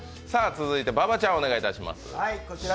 続いて、馬場ちゃんお願いいたします。